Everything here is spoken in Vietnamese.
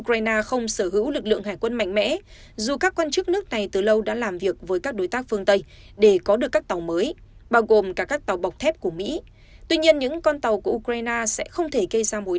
trong khi đó ukraine không sở hữu lực lượng hạm